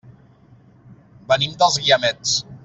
Venim dels Guiamets.